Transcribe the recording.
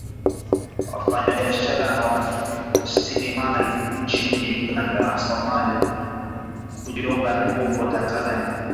Wafanyabiashara na wajasiriamali nchini Uganda na somlia wamehamasika na fursa zitakazoletwa na kujiunga huko Tanzania